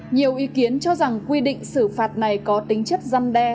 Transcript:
nhiều ý kiến cho rằng quy định xử phạt này có tính chất dân đe